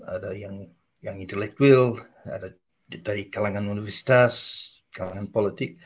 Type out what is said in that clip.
ada yang intelektual ada dari kalangan universitas kalangan politik